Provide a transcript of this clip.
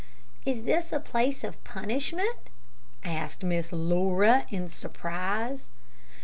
"Is this a place of punishment?" asked Miss Laura, in surprise.